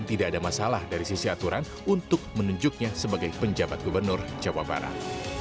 tidak ada masalah dari sisi aturan untuk menunjuknya sebagai penjabat gubernur jawa barat